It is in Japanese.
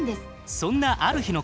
そんなある日のこと。